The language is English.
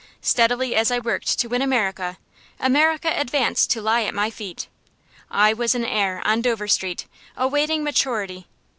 Steadily as I worked to win America, America advanced to lie at my feet. I was an heir, on Dover Street, awaiting maturity.